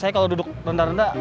saya kalau duduk rendah rendah